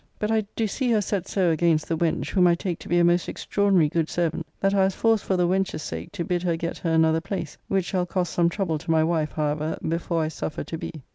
But I do see her set so against the wench, whom I take to be a most extraordinary good servant, that I was forced for the wench's sake to bid her get her another place, which shall cost some trouble to my wife, however, before I suffer to be.